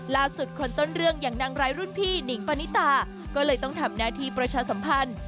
คนต้นเรื่องอย่างนางร้ายรุ่นพี่หนิงปณิตาก็เลยต้องทำหน้าที่ประชาสัมพันธ์